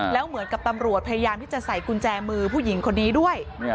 แล้วเหมือนกับตำรวจพยายามที่จะใส่กุญแจมือผู้หญิงคนนี้ด้วย